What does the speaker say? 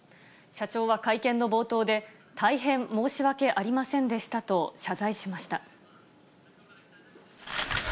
社長は会見の冒頭で、大変申し訳ありませんでしたと謝罪しました。